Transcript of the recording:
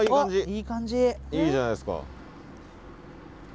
いいじゃないですか。